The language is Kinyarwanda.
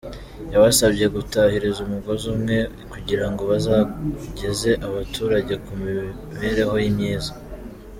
Yabasabye gutahiriza umugozi umwe, kugira ngo bazageze abaturage ku mibereho myiza.